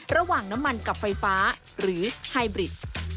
ระหว่างน้ำมันกับไฟฟ้าหรือไฮบริด